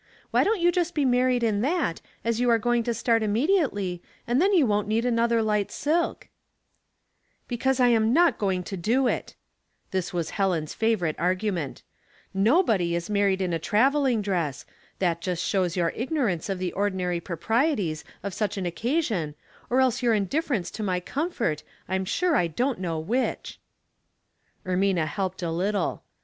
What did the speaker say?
Why don't you just be married in that, as you are going to start im mediately, and then you won't need another light silk ^" 156 Household Puzzles. " Because I am not going to do it '' This was Helen's favorite argument. ''^Nobody is mairied in a traveling dress ; that just shows your ignor ance of the ordinary proprieties of such an occasion, or else your indifference to my comfort, I'm sure I don't know which." Ermina helped a little.